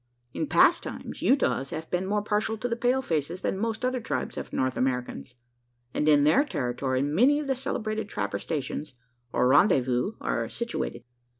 In past times, Utahs have been more partial to the pale faces than most other tribes of North Americans; and in their territory many of the celebrated trapper stations, or "rendezvous," are situated.